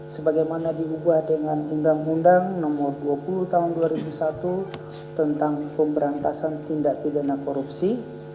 sebagaimana diubah dengan undang undang nomor dua puluh tahun dua ribu satu tentang pemberantasan tindak pidana korupsi